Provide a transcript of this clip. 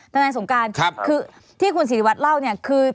ทนายสงการคือที่คุณศิริวัตรเล่าเนี่ยคือ